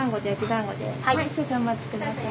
少々お待ち下さい。